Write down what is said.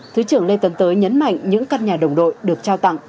thứ trưởng lê tấn tới nhấn mạnh những căn nhà đồng đội được trao tặng